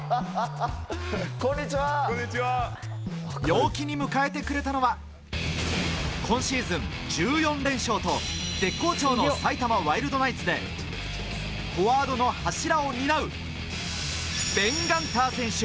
陽気に迎えてくれたのは今シーズン１４連勝と絶好調の埼玉ワイルドナイツでフォワードの柱を担うベン・ガンター選手。